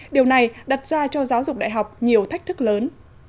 điều này đặt ra cho giáo dục đại học nhiều thách thức lớn